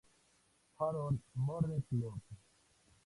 Harold Murder Club